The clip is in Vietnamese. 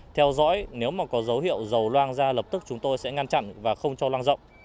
theo dõi nếu mà có dấu hiệu dầu loang ra lập tức chúng tôi sẽ ngăn chặn và không cho loang rộng